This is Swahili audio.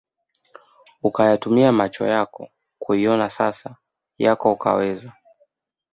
ukayatumia macho yako kuiona sasa yako ukaweza